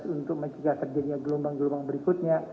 untuk menjaga kerjanya gelombang gelombang berikutnya